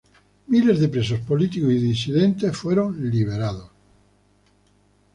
Miles de presos políticos y disidentes fueron liberados.